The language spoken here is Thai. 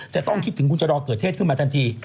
จะต้องคิดถึงคุณชะลอเกิดเทศขึ้นมาทันที